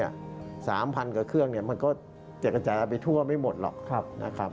๓๐๐๐กว่าเครื่องมันก็จะกระจายไปทั่วไม่หมดหรอก